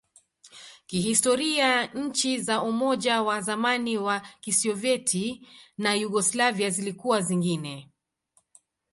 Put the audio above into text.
Kihistoria, nchi za Umoja wa zamani wa Kisovyeti na Yugoslavia zilikuwa zingine.